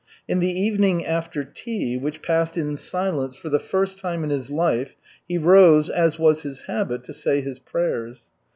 In the evening after tea, which passed in silence for the first time in his life, he rose, as was his habit, to say his prayers.